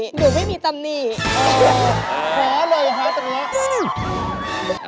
ขอเลยฮะตัวนั้น